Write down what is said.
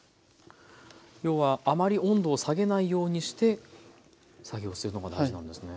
要はあまり温度を下げないようにして作業をするのが大事なんですね。